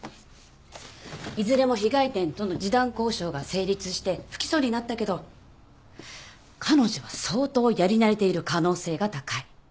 いずれも被害店との示談交渉が成立して不起訴になったけど彼女は相当やり慣れている可能性が高い。